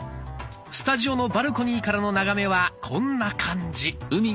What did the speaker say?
スタジオのバルコニーからの眺めはこんな感じ。